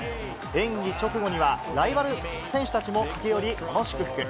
演技直後には、ライバル選手たちも駆け寄り、この祝福。